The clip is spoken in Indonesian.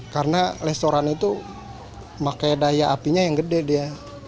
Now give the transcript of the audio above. karena restoran itu pakai daya apinya yang gede dia